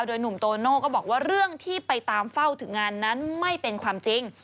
โดยหนุ่มโตโน่ก็บอกว่าเรื่องที่ไปตามเฝ้าถึงงานนั้นไม่เป็นความจริง